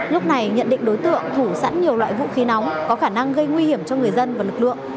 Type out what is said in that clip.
lúc này nhận định đối tượng thủ sẵn nhiều loại vũ khí nóng có khả năng gây nguy hiểm cho người dân và lực lượng